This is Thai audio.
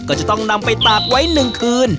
ก็จะต้องนำไปตากไว้๑คืน